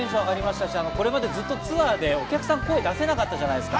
これまでずっとツアーでお客さん声出せなかったじゃないですか。